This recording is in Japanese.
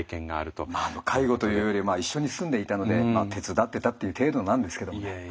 まあ介護というより一緒に住んでいたので手伝ってたっていう程度なんですけどもね。